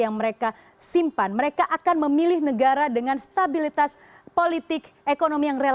yang mereka simpan mereka akan memilih negara dengan stabilitas politik ekonomi yang real